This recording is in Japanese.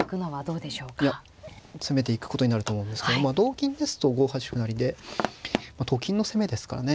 いや攻めていくことになると思うんですけど同金ですと５八歩成でと金の攻めですからね